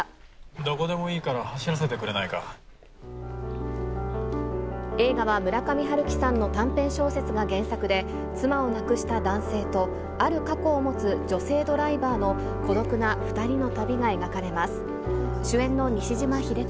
どこでもいいから、走らせて映画は村上春樹さんの短編小説が原作で、妻を亡くした男性と、ある過去を持つ女性ドライバーの、孤独な２人の旅が描かれます。